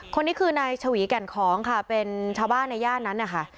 คนนี้คือนายชวีแก่นของค่ะเป็นชาวบ้านในย่านนั้นนะคะ